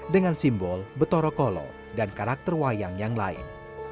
dengan simbol betoro kolo dan karakter wayang yang lain